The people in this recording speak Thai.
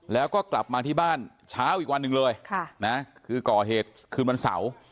แล้วก็กลับมาที่บ้านเช้าอีกวันหนึ่งเลยคือก่อเหตุคืนวันเสาร์